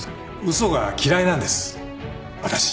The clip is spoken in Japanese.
嘘が嫌いなんです私。